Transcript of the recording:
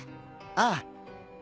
ああ。